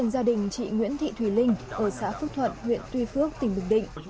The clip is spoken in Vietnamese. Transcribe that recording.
gia đình chị nguyễn thị thùy linh ở xã phước thuận huyện tuy phước tỉnh bình định